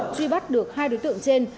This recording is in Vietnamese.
truy bắt được hai đối tượng trên